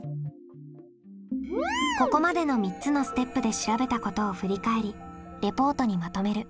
ここまでの３つのステップで調べたことを振り返りレポートにまとめる。